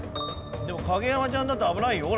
でも影山ちゃんだって危ないよこれ。